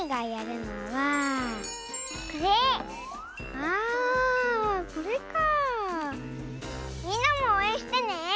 みんなもおうえんしてね！